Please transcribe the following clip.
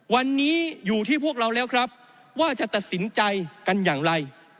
วันนี้อยู่ที่พวกเราแล้วครับว่าจะตัดสินใจกันอย่างไร